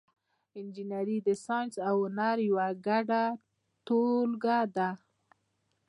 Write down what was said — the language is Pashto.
انجنیری د ساینس او هنر یوه ګډه ټولګه ده.